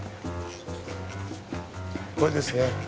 これですね。